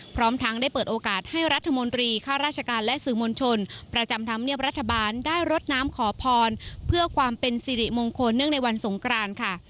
พร้อมทั้งได้เปิดโอกาสให้รัฐมนตรีข้าราชการและสื่อมวลชนประจำธรรมเนียบรัฐบาลได้รดน้ำขอพรเพื่อความเป็นสิริมงคลเนื่องในวันสงกรานค่ะ